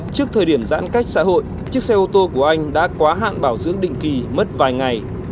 trước thời điểm giãn cách xã hội chiếc xe ô tô của anh đã quá hạn bảo dưỡng định kỳ mất vài ngày